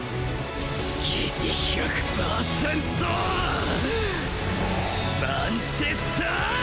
疑似 １００％マンチェスター